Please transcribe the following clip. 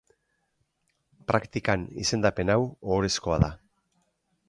Praktikan izendapen hau ohorezkoa da.